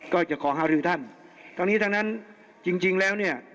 ก็จะขอหารือท่านทั้งนี้ทั้งนั้นจริงจริงแล้วเนี่ย